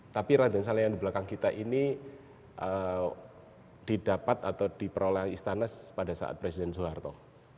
tapi raden saleh yang di belakang kita ini didapat atau diperoleh istana pada saat presiden soeharto